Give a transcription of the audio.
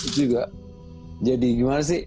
jadi gimana sih